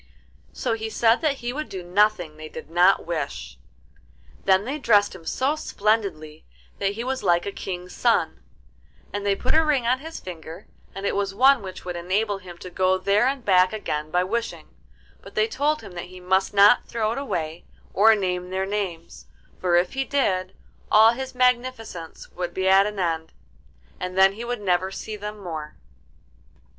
So he said that he would do nothing that they did not wish. Then they dressed him so splendidly that he was like a King's son; and they put a ring on his finger, and it was one which would enable him to go there and back again by wishing, but they told him that he must not throw it away, or name their names; for if he did, all his magnificence would be at an end, and then he would never see them more.